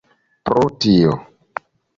Pro tio.